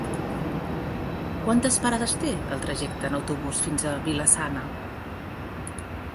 Quantes parades té el trajecte en autobús fins a Vila-sana?